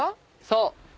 そう。